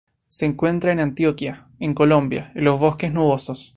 Se encuentra en Antioquia en Colombia en los bosques nubosos.